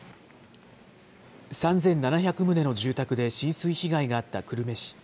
３７００棟の住宅で浸水被害があった久留米市。